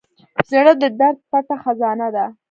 زړه د درد پټه خزانه ده.